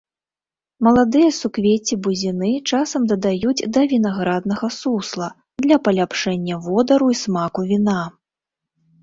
Маладыя суквецці бузіны часам дадаюць да вінаграднага сусла для паляпшэння водару і смаку віна.